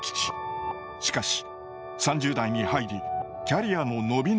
しかし３０代に入りキャリアの伸び悩みを感じていた。